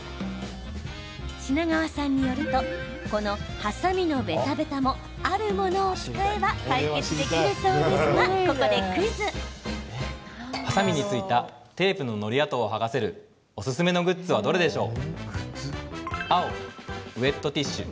品川さんによるとこのはさみのベタベタもあるものを使えば解決できるそうですがはさみについたテープの、のり跡を剥がせるおすすめのグッズはどれでしょう？